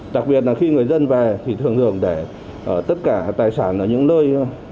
đặc biệt là khi người dân về thì thường hưởng để tất cả tài sản ở những nơi